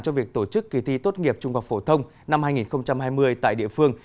cho việc tổ chức kỳ thi tốt nghiệp trung học phổ thông năm hai nghìn hai mươi tại địa phương